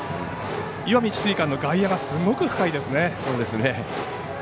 石見智翠館の外野はすごく深いですね。